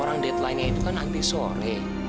orang deadline nya itu kan nanti sore